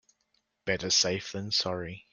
Better safe than sorry.